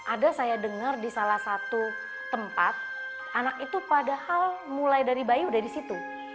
ada saya dengar di salah satu tempat anak itu padahal mulai dari bayi udah di situ